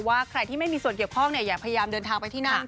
ใครที่ไม่มีส่วนเกี่ยวข้องอย่าพยายามเดินทางไปที่นั่น